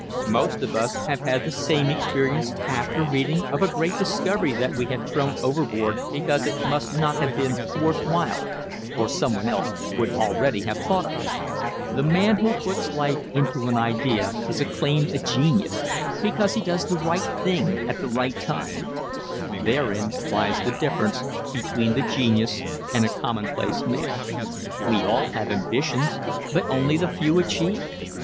Most of us have had the same experience after reading of a great discovery that we had thrown overboard because it must not have been "worth while" or someone else would already have thought of it. The man who puts life into an idea is acclaimed a genius, because he does the right thing at the right time. Therein lies the difference between the genius and a commonplace man. We all have ambitions, but only the few achieve.